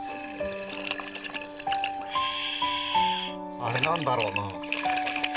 あれ、何だろうなぁ？